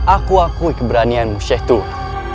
aku aku keberanianmu syekh tuh